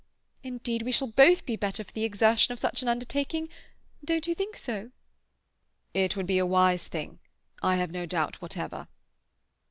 Indeed, we shall both be better for the exertion of such an undertaking—don't you think so?" "It would be a wise thing, I have no doubt whatever."